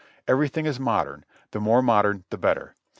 Everything is modern, the more modern the better.